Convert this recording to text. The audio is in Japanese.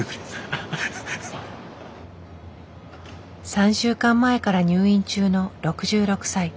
３週間前から入院中の６６歳。